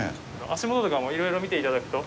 足元とかもいろいろ見ていただくと。